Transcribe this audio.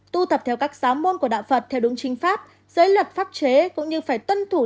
tu tập theo các giáo môn của đạo phật theo đúng chính pháp giới luật pháp chế cũng như phải tuân thủ